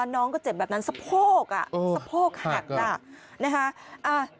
น้องก็เจ็บแบบนั้นสะโพกจะหัก